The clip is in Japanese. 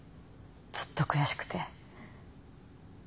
ずっと悔しくて。